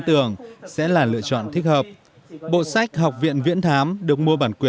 tên là học viện viễn thám này